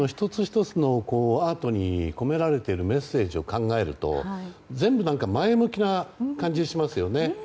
１つ１つのアートに込められているメッセージを考えると全部前向きな感じがしますよね。